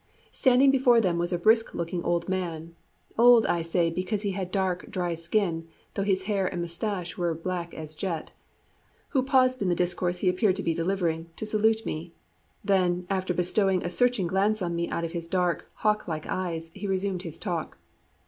Standing before them was a brisk looking old man old, I say, because he had a dark, dry skin, though his hair and moustache were black as jet who paused in the discourse he appeared to be delivering, to salute me; then, after bestowing a searching glance on me out of his dark, hawk like eyes, he resumed his talk.